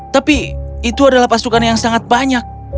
tapi itu adalah pasukan yang sangat banyak